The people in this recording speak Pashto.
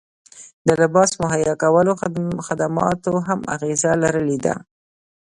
د لباس مهیا کولو خدماتو هم اغیزه لرلې ده